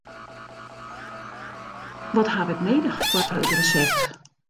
Wat haw ik nedich foar it resept?